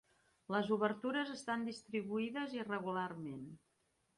Les obertures estan distribuïdes irregularment.